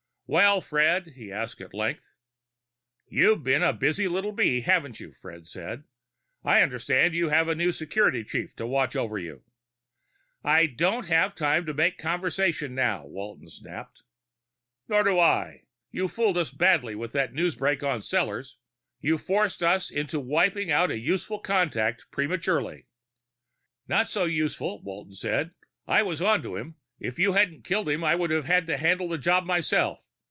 "Well, Fred?" he asked at length. "You've been a busy little bee, haven't you?" Fred said. "I understand you have a new security chief to watch over you." "I don't have time to make conversation now," Walton snapped. "Nor do I. You fooled us badly, with that newsbreak on Sellors. You forced us into wiping out a useful contact prematurely." "Not so useful," Walton said. "I was on to him. If you hadn't killed him, I would have had to handle the job myself.